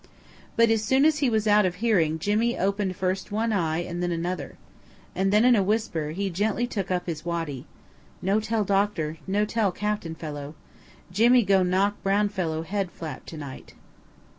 But as soon as he was out of hearing Jimmy opened first one eye and then another. Then in a whisper, as he gently took up his waddy: "No tell doctor; no tell captain fellow. Jimmy go knock brown fellow head flap to night."